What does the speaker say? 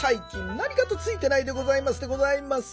なにかとついてないでございますでございます。